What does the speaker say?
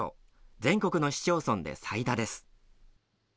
全国の市町村で最多です。